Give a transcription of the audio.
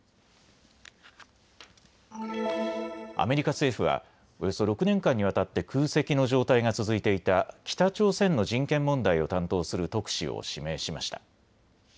アメリカ政府はおよそ６年間にわたって空席の状態が続いていた北朝鮮の人権問題を担当する特使を指名しました。